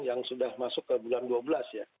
yang sudah masuk ke bulan dua belas ya